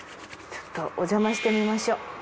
ちょっとおじゃましてみましょう。